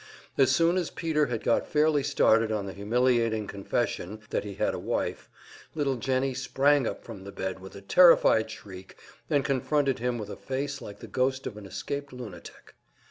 As soon as Peter had got fairly started on the humiliating confession that he had a wife, little Jennie sprang up from the bed with a terrified shriek, and confronted him with a face like the ghost of an escaped lunatic.